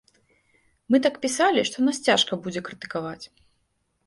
Мы так пісалі, што нас цяжка будзе крытыкаваць.